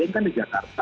yang kan di jakarta